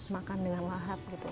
makan dengan lahap gitu